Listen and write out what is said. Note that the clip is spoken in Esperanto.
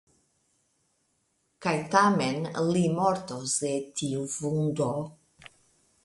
Kaj tamen li mortos de tiu vundo.